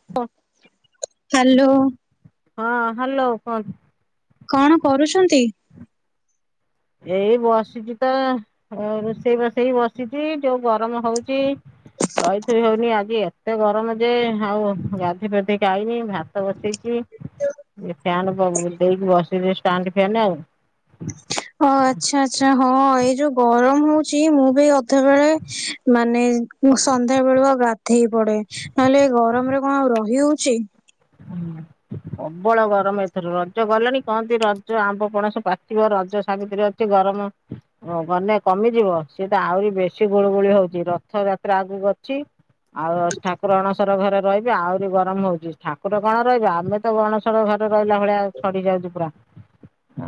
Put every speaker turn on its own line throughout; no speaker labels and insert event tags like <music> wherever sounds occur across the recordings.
<unintelligible>
Hello.
ହଁ hello କୁହନ୍ତୁ।
କଣ କରୁଛନ୍ତି?
ଏଇ ବସିଚି ତ ରୋଷେଇ ବସେଇ ବସିଛି ଯୋଉ ଗରମ ହଉଚି ରହିଥୋଇ ହଉନି ଆଜି ଆ। ଏତେ ଗରମ ଯେ ଆଉ ଗାଧେଇ ଫାଧେଇ କି ଆଇନି ଭାତ ବସେଇଚି। ଏ ଫ୍ୟାନ୍ ପ ଦେଇକି ବସିଚି ଷ୍ଟାଣ୍ଡ ପ୍ୟାନ୍ଟା ଆଉ।
ଓ ଆଚ୍ଛା ଆଛା ହଁ ଏଇ ଯୋଉ ଗରମ ହୋଉଚି ମୁଁ ବି ଅଧେବେଳେ ମାନେ ମୁଁ ସନ୍ଧ୍ୟା ବେଳୁଆ ଗାଧେଇ ପଡ଼େ ନହେଲେ ଏଇ ଗରମରେ କଣ ଆଉ ରହି ହୋଉଚି।
ହଁ। ପ୍ରବଳ ଗରମ ଏଥର ରଜ ଗଲାଣି କହନ୍ତି ରଜ ଆମ୍ବ ପଣସ ପାଚିବ ରଜ ସାବିତ୍ରୀ ଅ ଚି ଗରମ। ଓ ଗନେ କମିଯିବ ସିଏ ତ ଆଉରି ବେଶୀ ଗୁଳୁଗୁଳି ହୋଉଛି ରଥ ଯାତ୍ରା ଆଗକୁ ଅଛି। ଆଉ ଠାକୁର ଅଣସର ଘରେ ରହିବେ ଆହୁରି ଗରମ ହୋଉଚି। ଠାକୁର କଣ ରହିବେ ଆମେ ତ ଗଣଶର ଘରେ ରହିଲା ଭଳିଆ ଛଡ଼ି ଯାଉଚୁ ପୁରା।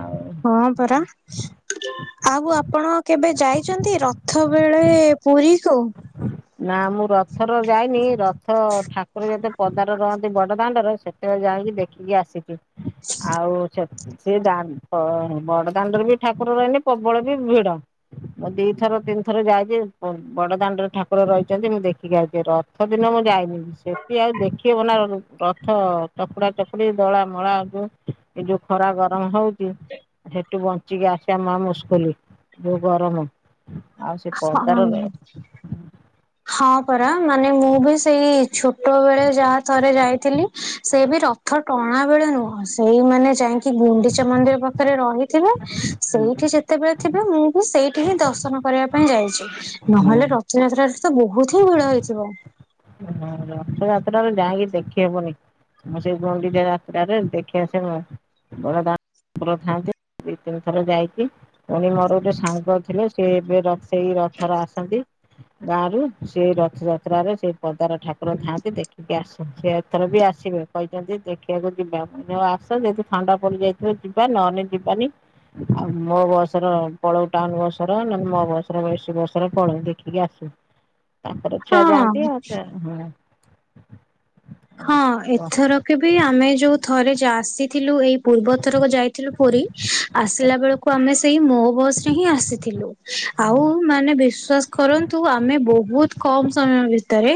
ଆଉ
ହଁ ପରା। ଆଉ ଆପଣ କେବେ ଯାଇଚନ୍ତି ରଥ ବେଳେ ପୁରୀକୁ?
ନା ମୁଁ ରଥର ଯାଇନି ରଥ ଠାକୁର ଯେତେ ପଦାରେ ରହନ୍ତି ବଡ଼ ଦାଣ୍ଡର ସେ ସେତେବେଳେ ଯାଇଙ୍କି ଦେଖିକି ଆସିିଲି।
<unintelligible>
ଆଉ ସେ ସେ ଦା ବଡ଼ଦାଣ୍ଡରେ ବି ଠାକୁର ରହିନେ ପବଳ ବି ଭିଡ଼। ମୁଁ ଦିଥର ତିନି ଥର ଯାଇଚି ବ ବଡ଼ ଦାଣ୍ଡରେ ଠାକୁର ରହିଛନ୍ତି ମୁଁ ଦେଖିକି ଆଇଛି ରଥ ଦିନ ମୁଁ ଯାଇନି ସେଠି ଆଉ ଦେଖି ବନା ରଥ ଚକୁଡ଼ା ଚକୁଡ଼ି ଦଳା ମଳା ହବ ଏ ଯୋଉ ଖରା ଗରମ ହଉଚି ସେଠୁ ବଞ୍ଚିକି ଆସିବା ମହା ମୁସ୍କଲି ଯୋଉ ଗରମ। ଆଉ ସେ ପଦାରେ ର
ହଁ ହଁ ପରା ମାନେ ମୁଁ ବି ସେଇ ଛୋଟ ବେଳେ ଯାହା ଥରେ ଯାଇଥିଲି ସେ ବି ର ଥ ଟଣା ବେଳେ ନୁହଁ ସେଇମାନେ ଯାଇଙ୍କି ଗୁଣ୍ଡିଚା ମନ୍ଦିର ପା ପାଖରେ ରହିଥିବେ, ସେଇଠି ଯେତେବେଳେ ଥିବେ ମୁଁ ବି ସେଇଠି ହିଁ ଦର୍ଶନ କରିବା ପାଇଁ ଯାଇଛି, ନହେଲେ ରଥଯାତ୍ରାରେ ତ ବହୁତ ହିଁ ଭିଡ ହେଇଥିବ!
ରଥଯାତ୍ରାରେ ଯାଇଁକି ଦେଖିହବନି। ମୁଁ ସେଇ ଗୁଣ୍ଡିଚା ଯାତ୍ରାରେ ଦେଖିଆସେ ମୁଁ। ବଡ ଦା <inaudible> ଥାନ୍ତି, ଦି ତିନି ଥର ଯାଇଛି। ପୁଣି ମୋର ଗୋଟେ ସାଙ୍ଗ ଥିଲେ, ସିଏ ଏବେ ସେଇ ରଥରେ ଆସନ୍ତି। ଗାଁ ରୁ, ସେଇ ରଥଯାତ୍ରାରେ ସେଇ ପଦାର ଠାକ୍ ଠାକୁର ଥାଆନ୍ତି, ଦେଖିକି ଆସନ୍ତି। ସେ ଏଥର ବି ଆସିବେ, କହିଛନ୍ତି ଦେଖିବାକୁ ଯିବା ଆସ ଯଦି ଥଣ୍ଡା ପଡି ଯାଇଥିବ ଯିବା, ନହେନେ ଯିବାନି। ଆଉ ମୋ ବସର ପଳଉ ଟାଉନ୍ ବସର, ନନେ ମୋ ବସର ଏସି ବସ୍ ରେ ପଳଉ ଦେଖିକି ଆସିବୁ। ତା'ପରେ ଛୁଆ
ହଁ
ଯାଆନ୍ତି ଆଉ <unintelligible>
ହଁ, ଏଥରକ ବି ଆମେ ଯୋଉ ଥରେ ଆସିଥିଲୁ, ଏଇ ପୂର୍ବ ଥରକ ଯାଇଥିଲୁ ପୁରୀ, ଆସିଲା ବେଳକୁ ଆମେ ସେଇ ମୋ ବସ୍ ରେ ହିଁ ଆସିଥିଲୁ। ଆଉ ମାନେ ବିଶ୍ଵାସ କରନ୍ତୁ, ଆମେ ବହୁତ କମ୍ ସମୟ ଭିତରେ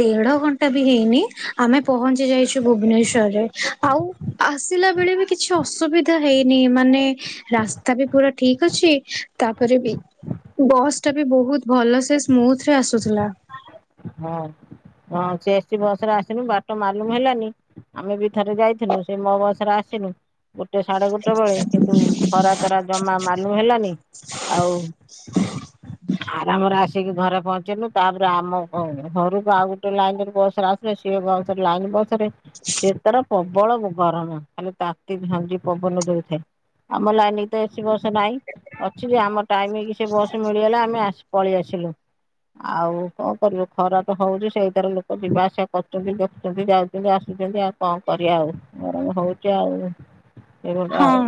ଦେଢ ଘଣ୍ଟା ବି ହେଇନି ଆମେ ପହଞ୍ଚି ଯାଇଛୁ ଭୁବନେଶ୍ଵରରେ, ଆଉ ଆସିଲା ବେଳେ ବି କିଛି ଅସୁବିଧା ହେଇନି, ମାନେ ରାସ୍ତା ବି ପୁରା ଠିକ୍ ଅଛି। ତା'ପରେ ବି ବସ୍ ଟା ବି ବହୁତ ଭଲ ସେ ସ୍ମୁଥରେ ଆସୁଥିଲା।
ହଁ, ହଁ ସେ ଏସି ବସ୍ ରେ ଆସିଲୁ ବାଟ ମାଲୁମ ହେଲାନି। ଆମେ ବି ଥରେ ଯାଇଥିନୁ, ସେ ମୋ ବସ୍ ରେ ଆସିନୁ, ଗୋଟେ ସାଢେ ଗୋଟେ ବେଳେ କିନ୍ତୁ ଖରା ତରା ଜମା ମାଲୁମ ହେଲାନି, ଆଉ ଆରାମରେ ଆସିକି ଘରେ ପହଞ୍ଚିନୁ। ତା'ପରେ ଆମ ହଁ, ଘରୁକୁ ଆଉ ଗୋଟେ ଲାଇନ୍ ରେ ବସରେ ଆସିଲେ, ସିଏ ବସ୍ ଲାଇନ୍ ବସରେ ସେ ତାର ପ୍ରବଳ ଗରମ! ଖାଲି ତାତି ଝାଞ୍ଜି ପବନ ଦେଉଥାଏ। ଆମ ଲାଇନ୍ କି ତ ଏସି ବସ୍ ନାହିଁ। ଅଛି ଯେ, ଆମ ଟାଇମିକି ସେ ବସ୍ ମିଳିଗଲା। ଆମେ ଆସି ପଳେଇ ଆସିଲୁ। ଆଉ କ ଖରା ତ ହଉଛି ସେଇଥିରେ ଲୋକ ଯିବା ଆସିବା କରୁଚନ୍ତି, ଦେଖୁଛନ୍ତି, ଯାଉଛନ୍ତି, ଆସୁଛନ୍ତି, ଆଉ କଣ କରିଆ ଆଉ, ଗରମ ହଉଛି ଆଉ? ଏଇଭଳିଆ ଆଉ।
ହଁ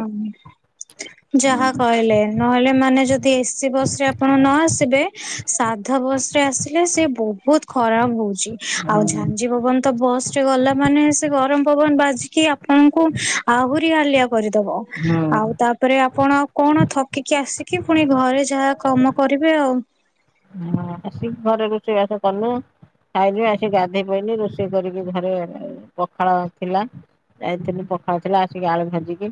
ଯାହା କହିଲେ। ନହେଲେ ମାନେ ଯଦି ଏସି ବସ୍ ରେ ଆପଣ ନ ଆସିବେ! ସାଧା ବସ୍ ରେ ଆସିଲେ, ସିଏ ବହୁତ ଖରା ହଉଛି। ଆଉ
ହୁଁ
ଝାଞ୍ଜି ପବନ ତ ବସ୍ ଚି, ଗଲା ମାନେ ସେ ଗରମ ପବନ ବାଜିକି, ଆପଣଙ୍କୁ ଆହୁରି ହାଲିଆ କରିଦବ। ଆଉ ତାପ୍
ହୁଁ
ତା'ପରେ, ଆପଣ ଆଉ କଣ ଥକିକି ଆସିକି, ଫୁଣି ଘରେ ଯାହା କାମ କରିବେ ଆଉ।
ହଁ, ଆସିକ ଘରେ ରୋଷେଇବାସ କଲୁ। ଖାଇଲି, ଆସି ଗାଧୋଇ ପଇଲି, ରୋଷେଇ କରିକି ଘରେ ପଖାଳ ଥିଲା। ଯାଇଥିଲି ପଖାଳଥିଲା, ଆସିକି ଆଳୁ ଭାଜିକି,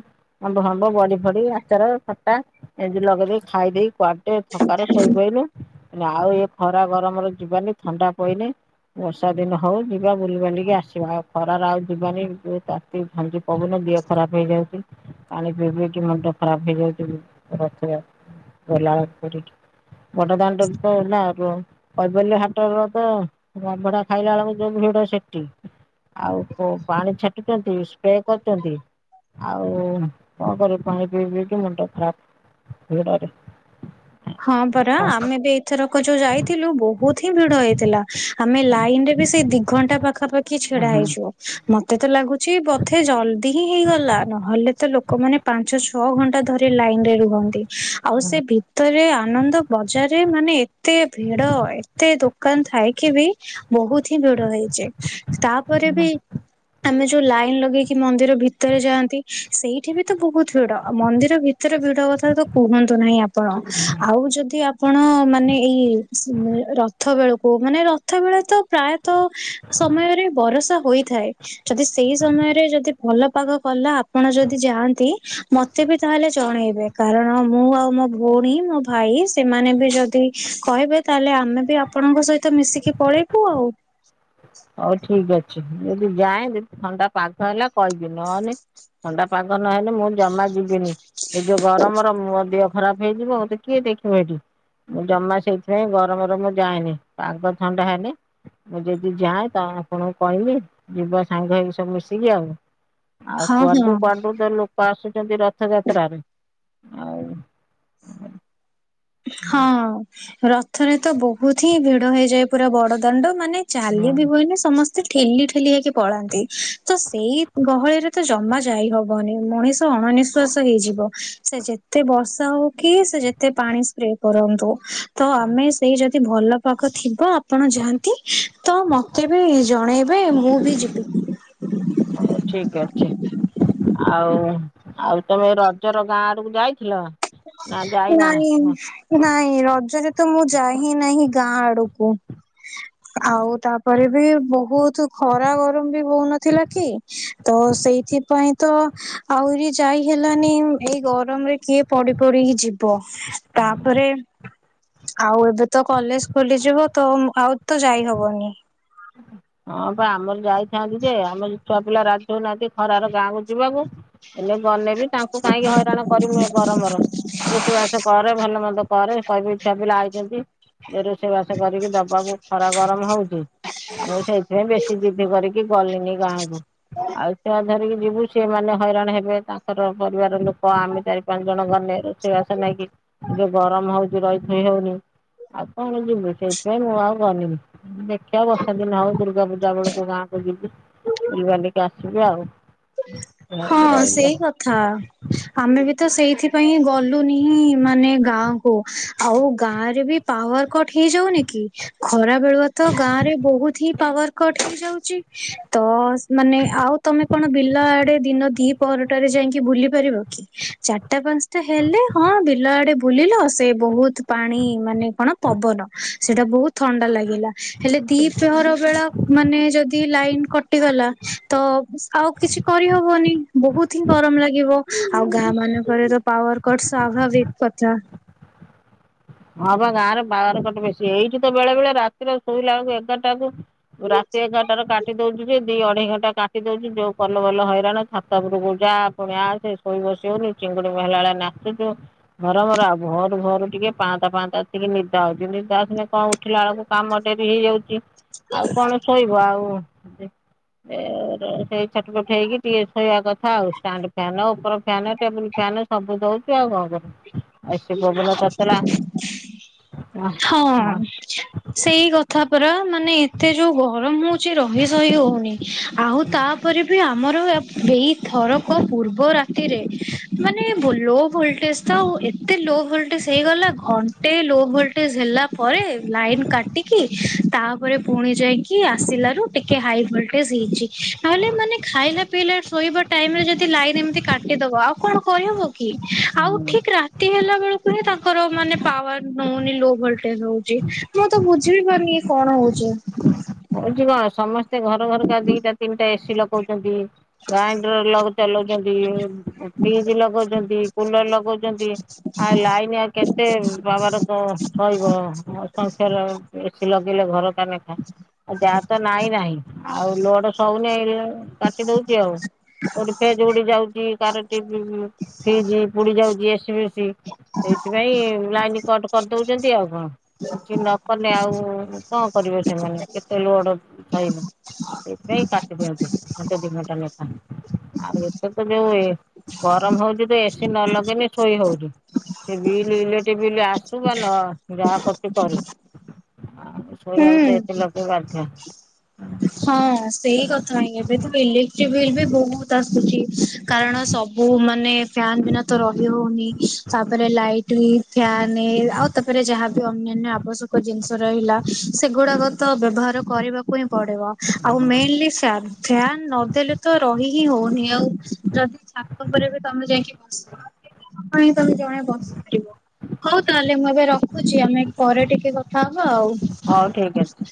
ଆମ୍ବଫାମ୍ବ ବଡି ଫଡି, ଆଚାର, ଖଟା ଏମତି ଲଗେଇଦେଇ, ଖାଇଦେଇ କୁଆଡେ ଥକାରେ ଶୋଇପଇଲୁ। ଆଉ ଏଇ ଖରା ଗରମରେ ଯିବାନି, ଥଣ୍ଡା ପଇନେ ବର୍ଷା ଦିନ ହଉ, ଯିବା ବୁଲି ବାଲିକି ଆସିବା। ଆଉ ଖରାରେ ଆଉ ଯିବାନି। <unintelligible> ଆ ଏଇ ଝାଞ୍ଜି ପବନ ଦିହ ଖରାପ ହେଇଯାଉଛି। ପାଣି ପିଇ ପିଇ କି ମୁଣ୍ଡ ଖରାପ ହେଇଯାଉଛି, ରଥଯାତ୍ରା ଗଲା <unintelligible> କରିକି। ବଡ଼ଦାଣ୍ଡରୁ ତ ନା ରୁହ କୈବଲ୍ୟ ହାଟର ତ ଅବଡା ଖାଇଲା ଅଳକୁ ଯୋଉ ଭିଡ ସେଟି! ଆଉ କ ପାଣି ଛାଟୁଛନ୍ତି ସ୍ପ୍ରେ କରୁଚନ୍ତି! ଆଉ କଁ କରି ପାଣି ପିଇ ପିଇକି ମୁଣ୍ଡ ଖରାପ ଭିଡ଼ରେ ଳ।
ହଁ ପରା ଆମେ ବି ଏଥରକ ଯୋଉ ଯାଇଥିଲୁ ବହୁତ ହିଁ ଭିଡ଼ ହେଇଥିଲା ଆମେ ଲାଇନ୍ ରେ ବି ସେଇ ଦି ଘଣ୍ଟା ପାଖାପାଖି ଛିଡ଼ା ହେଇଛୁ। ମତେ ତ ଲାଗୁଚି ବଧେ ଜଲଦି ହିଁ ହେଇଗଲା ନହେଲେ ତ ଲୋକମାନେ ପାଞ୍ଚ ଛଅ ଘଣ୍ଟା ଧରି ଲାଇନ୍ ରେ ରୁହନ୍ତି। ଆଉ ସେ ଭି ରେ ଆନନ୍ଦ ବଜାରରେ ମାନେ ଏତେ ଭିଡ଼ ଏତେ ଦୋକାନ ଥାଇକ ବି ବହୁତ ହିଁ ଭିଡ ହେଇଚି, ତାପରେ ବି ଆମେ ଯୋଉ ଲାଇନ୍ ଲଗେଇକି ମନ୍ଦିର ଭିତରେ ଯାଆନ୍ତି ସେଇଠି ବି ତ ବହୁତ ଭିଡ଼। ଆଉ ମନ୍ଦିର ଭିତରେ ଭିଡ଼ କଥା ତ କୁହନ୍ତୁ ନାହିଁ ଆ ପଣ ଆଉ ଯଦି ଆ ପଣ ମାନେ ଏଇ ସି ରଥ ବେଳକୁ ମାନେ ରଥ ବେଳେ ତ ପ୍ରାୟ ତ ସମୟରେ ବରଷା ହୋଇଥାଏ। ଯଦି ସେଇ ସମୟରେ ଯଦି ଭଲ ପାଗ କଲା ଆପଣ ଯଦି ଯାଆନ୍ତି ମତେ ବି ତାହେଲେ ଜଣେଇବେ? କାରଣ ମୁଁ ଆଉ ମୋ ଭୋଉଣୀ ମୋ ଭାଇ ସେମାନେ ବି ଯଦି କହିବେ ତାହେଲେ ଆମେ ବି ଆପଣଙ୍କ ସହିତ ମିଶିକି ପଳେଇ ଉ ଆଉ
ହଉ ଠିକ୍ ଅଛି ଯଦି ଯାଏଁ ଯଦି ଥଣ୍ଡା ପାଗ ହେଲା କହିବି ନହେନେ ଥଣ୍ଡା ପାଗ ନହେଲେ ମୁଁ ଜମା ଯିବିନି ଏ ଯୋଉ ଗରମର ମୁଁହ ଦିହ ଖରାପ ହେଇଯିବ ମତେ କିଏ ଦେଖିବ ଏଠି? ମୁଁ ଜମା ସେଇଥିପାଇଁ ଗରମର ମୁଁ ଯାଏନି। ପାଗ ଥଣ୍ଡା ହେନେ ମୁଁ ଯେଦି ଯାଏଁ ତ ଆପଣଙ୍କୁ କହିମି ଯିବା ସାଙ୍ଗ ହେଇ ସବୁ ମିଶିକି ଆଉ। ଆଉ
ହଁ
କ୍ୱାଡ଼ୁ
ହଁ
କ୍ୱାଡ଼ୁ ତ ଲୋ ଆସୁଚନ୍ତି ରଥଯାତ୍ରାରେ ଆଉ ଉଁ
ହଁ, ରଥରେ ତ ବହୁତ ହିଁ ଭିଡ଼ ହେଇଯାଏ ପୁରା ବଡ଼ ଦାଣ୍ଡ ମାନେ
ହୁଁ
ଚାଲି ବି ହୁଏନି ସମସ୍ତେ ଠେଲି ଠେଲି ହେକକି ପଳାନ୍ତି ତ ସେଇ ଗହଳିରେ ତ ଜମା ଯାଇ ହ ବନି ମଣିଷ ଅଣନିଶ୍ଵାସ ହେଇଯିବ ସେ ଯେତେ ବର୍ଷା ହଉ କି ସେ ଯେତେ ପାଣି ସ୍ପ୍ରେ କରନ୍ତୁ ତ ଆମେ ସେଇ ଯଦି ଭଲ ପାଗ ଥିବ ଆପଣ ଯାଆନ୍ତି ତ ମତେ ବି ଜଣେଇବେ ମୁଁ ବି ଯିବି।
ହଉ ଠିକ୍ ଅଛି। ଆଉ ଆଉ ତମେ ରଜର ଗାଁ ଆଡ଼ୁକୁ ଯାଇଥିଲ? ନା ଯାଇନା?
ନାଇଁ ନାଇଁ ରଜରେ ତ ମୁଁ ଯାଇ ହିଁ ନାହିଁ ଗାଁ ଆଡ଼ୁକୁ। ଆଉ ତାପରେ ବି ବହୁତ ଖରା ଗରମ ବି ହଉନଥିଲା କି? ତ ସେଇଥିପାଇଁ ତ ଆହୁରି ଯାଇ ହେଲାନି। ଏଇ ଗରମରେ କିଏ ପଡ଼ି ପଡ଼ି କି ଯିବ ତାପରେ ଆଉ ଏବେ ତ କଲେଜ୍ ଖୋଲିଯିବ, ତ ଆଉ ତ ଯାଇ ହବନି।
ହଁ ପା ଆମର ଯାଇଥାନ୍ତୁ ଯେ, ଆମେ ଯେ ଛୁଆ ପିଲା ରାଜି ହୋଉନାହାନ୍ତି ଖରାର ଗାଁକୁ ଯିବାକୁ। ଏନେ ଗନେ ବି ତାଙ୍କୁ କାହିଁକି ହଇରାଣ କରିମୁ ଏ ଗରମର ରୋଷେଇ ବାସ କରେ, ଭଲ ମନ୍ଦ କରେ, କହିବେ ଏ ଛୁଆ ପିଲା ଆଇଚନ୍ତି। ଏ ରୋଷେଇ ବାସ କରିକି ଦବାକୁ ଖରା ଗରମ ହଉଚି। ଆ ମୁଁ ସେଇଥିପାଇଁ ବେଶୀ ଜିଦି କରିକି ଗଲିନି ଗାଁକୁ। ଆଉ ଛୁଆ ଧରିକି ଯିବୁ ଛିଏ ମାନେ ହଇରାଣ ହେବେ ତାଙ୍କର ପରିବାର ଲୋକ, ଆମେ ଚାରି ପାଞ୍ଚ ଜଣ ଗନେ। ରୋଷେଇ ବାସ ନାଇକି, ଏତେ ଗରମ ହଉଚି ରହି ଥୋଇ ହଉନି। ଆଉ କଣ ଯିବି? ସେଇଥିପାଇଁ ମୁଁ ଆଉ ଗନିନି। ଦେଖିଆ ବସ୍ ସେ ଦିନ ହଉ ଦୁର୍ଗା ପୂଜା ବେଳକୁ ଗାଁକୁ ଯିବି। ବୁଲି ବାଲିକି ଆସିବା ଆଉ। <inaudible> ରହିବେ।
ଥା। ଆମେ ବି ତ ସେଇଥିପାଇଁ ଗଲୁନିି ହିଁ ମାନେ ଗାଁ କୁ। ଆଉ ଗାଁରେ ବି ପାୱାର କଟ ହେଇଯାଉନି କି, ଖରା ବେଳୁଆ ତ ଗାଁ ରେ ବହୁତ ହି ପାୱାର କଟ ହେଇଯାଉଛି। ତ ମାନେ ଆଉ ତମେ ତମେ ବିଲ ଆଡେ ଦିନ ଦି ପରହରଟାରେ ଯାଇକି ଭୁଲି ପାରିବ କି? ଚାରିଟା ପାଞ୍ଚଟା ହେଲେ ହଁ ବିଲ ଆଡେ ବୁଲିଲ, ସେ ବହୁତ ପାଣି ମାନେ କଣ ପବନ ସେଇଟା ବହୁତ ଥଣ୍ଡା ଲାଗିଲା। ହେଲେ ଦିପ୍ରହର ବେଳ ମାନେ ଯଦି ଲାଇନି କଟିଗଲା, ତ ଆଉ କିଛି କରିହବନି। ବହୁତ ହିଁ ଗରମ ଲାଗିବ। ଆଉ ଗାଁ ମାନଙ୍କରେ ତ ପାୱାର କଟ ସ୍ୱଭାବିକ କଥା।
ହଁ ବା ଗାଁରେ ପାୱାର କଟ୍ ବେଶୀ। ଏଇଠି ତ ବେଳେ ବେଳେ ରାତିରେ ଶୋଇଲା ବେଳକୁ ଏଗାରଟା କୁ ରାତି ଏଗାରଟା ର କାଟି ଦଉଚି ଯେ ଦି ଅଢେଇ ଘଣ୍ଟା କାଟି ଦଉଛି। ଯୋଉ କଲ ବଲ ହଇରାଣ ଛାତ ଉପରକୁ ଯା। ପୁଣି ଆସେ ଶୋଇ ବସି ହଉନି ଚିଙ୍ଗୁଡି ବାହିଲା ବେଳେ ନାଚୁଚୁ ଗରମର। ଆଉ ଭୋର୍ ଭୋର୍ ଟିକେ ପାହାନ୍ତା ପାହାନ୍ତା ଟିକେ ନିଦ ହଉଛି। ନିଦ ଆସିଲେ କଣ, ଉଠିଲା ବେଳକୁ କାମ ଡେରି ହେଇଯାଉଛି। ଆଉ କଣ ଶୋଇବ। ଆଉ ସେଇ ଛଟ ପଟ ହେଇକି ଟିକେ ଶୋଇବା କଥା ଆଉ। ଷ୍ଟାଣ୍ଡ ଫ୍ୟାନ, ଉପର ଫ୍ୟାନ୍, ଟେବୁଲ ଫ୍ୟାନ। ସବୁ ଦଉଛି ଆଉ କଣ କରିବୁ। ଆଉ ଏସି ପବନ ତତଲା
ହଁ, ସେଇ କଥା ପରା ମାନେ ଏତେ ଯୋଉ ଗରମ ହ ଛି ରହି ସହି ହଉନି, ଆଉ ତାପରେ ବି ଆମର ଏ- ଏଇ ଥରକ ପୂର୍ବ ରାତିରେ ମାନେ ଲୋ ଭୋଲ୍ ଶେଷ ଆଉ ଏତେ ଲୋ ଭୋଲଟେଜ ହେଇଗଲା, ଘଣ୍ଟେ ଭୋଲଟେଜ ହେଲା ପରେ ଲାଇନି କାଟିକି ତାପରେ ପୁଣି ଯାଇକି ଆସିଲାରୁ ଟିକେ ହାଇ ଭୋଲଟେଜ ହେଇଛି ନହେଲେ ମାନେ ଖାଇଲା ପିଇଲା ଶୋଇବା ଟାଇମ ରେ ଯଦି ଲାଇନ ଏମିତି କାଟିଦବ ଆଉ କଣ କହିହବ। କି ଠିକ୍ ଆଉ
ହୁଁ
ଠିକ ରାତି ହେଲା ବେଳକୁ ହିଁ ତାଙ୍କର ମାନେ ପାୱାର ନ ଲୋ ଭୋଲଟେଜ ହଉଛି ମୁଁ ତ ବୁଝି ପାରୁନି କଣ ହଉଛି?
ହଉଛି କଣ ସମସ୍ତେ ଘର ଘରକା ଦିଟା ତିନିଟା ଏସିି ଲଗଉଛନ୍ତି। ଗ୍ରାଇଣ୍ଡର ଚଲଉଛନ୍ତି, ଫ୍ରିଜ ଲଗଉଛନ୍ତି, କୁଲର ଲଗଛନ୍ତି। ଆ ଲାଇନି ଆଉ କେତେ ପାୱାର ସହିବ। ଅସଂଖ୍ୟ ର ଏସି ଲଗେଇଲେ ଘର କା ନାଖେ ଆଉ ଯାହା ତ ନାଇଁ ନାହିଁ। ଆଉ ଲୋଡ ହଉନି ଲେ କାଟି ଦଉଛି ଆଉ। କଉଠି ଫେଜ୍ ଉଡି ଯାଉଛି, କାହାର ଟିଭି ଫ୍ରିଜ ପୋଡି ଯାଉଛି ଏସି ଫେସି। ସେଇଥିପାଇଁ ଲାଇନ୍ କଟ କରିଦଉଛନ୍ତି। ଆଉ କଣ? କିଛି ନକଲେ ଆଉ କଣ କରିବେ ସେମାନେ କେତେ ଲୋଡ ସହିବ। ସେଇଥିପାଇଁ କାଟି ଦିଅନ୍ତି ଘଣ୍ଟେ ଦିଘଣ୍ଟା ଲେଖା। ଆଉ ଏପଟେ ଯୋଉ ଗରମ ହଉଛି ତ ଏସି ନ ଲଗେଇଲେ ଶୋଇ ହଉନି। ସେ ବିଲ ଇଲେକ୍ଟ୍ରି ବିଲ୍ ଆସୁ ବା ନ ଆସୁ ସେ ଯାହା କରୁଚି କରୁ। ଶୋଇବାକୁ କୁ ତ
ହୁଁ।
ଏସି ଲଗେଇବାକୁ ବାଧ୍ୟ।
ହଁ ସେଇ କଥା ହିଁ। ଏବେ ତ ଇଲେକ୍ଟ୍ରି ବିଲ୍ ବି ବହୁତ ଆସୁଚି। କାରଣ ସବୁ ମାନେ ଫ୍ୟାନ ବିନା ତ ରହି ହଉନି। ତାପରେ ଲାଇଟି ଫ୍ୟାନେ ଆଉ ତାପରେ ଯାହାବି ଅନ୍ୟାନ୍ୟ ଆବଶ୍ୟକ ଜିନିଷ ରହିଲା ସେଗୁଡାକ ତ ବ୍ୟବହାର କରିବାକୁ ହିଁ ପଡିବ। ଆଉ ମେନଲି ପ୍ୟାନ ଫ୍ୟାନ ନଦେଲେ ତ ରହି ହିଁ ହଉନି ଆଉ। ଯଦି ଛାତ ଉପରେ ବି ତମେ ଯାଇଙ୍କି <unintelligible> ହଉ ତାହେଲେ ମୁଁ ଏବେ ରଖୁଛି ଆମେ ପରେ ଟିକେ କଥା ହବା ଆଉ।
ହଉ ଠିକ ଅଛି।